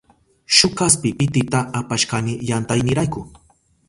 Shuk kaspi pitita apashkani yantaynirayku.